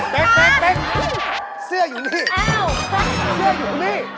เป๊กแป๊กเสื้อยู่นี่